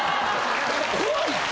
怖いって。